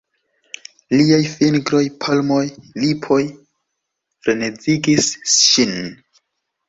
Liaj fingroj, polmoj, lipoj frenezigis ŝin.